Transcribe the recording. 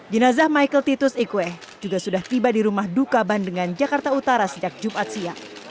jenazah michael titus ikweh juga sudah tiba di rumah duka bandengan jakarta utara sejak jumat siang